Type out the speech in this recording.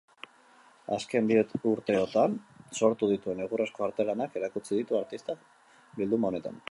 Azken bi urteotan sortu dituen egurrezko artelanak erakutsi ditu artistak bilduma honetan.